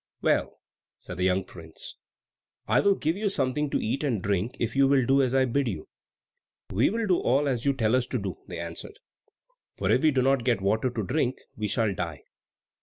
"Well," said the young prince, "I will give you something to eat and drink if you will do as I bid you." "We will do all you tell us to do," they answered, "for if we do not get water to drink, we shall die."